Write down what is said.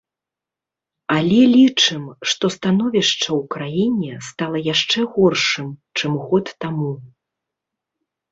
Але лічым, што становішча ў краіне стала яшчэ горшым, чым год таму.